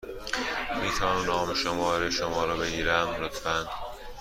می توانم نام و شماره شما را بگیرم، لطفا؟